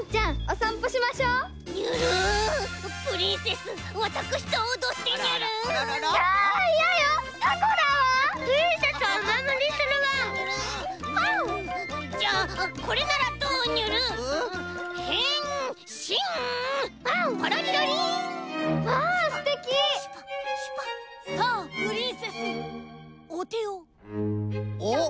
おっ？